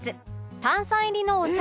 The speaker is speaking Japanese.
炭酸入りのお茶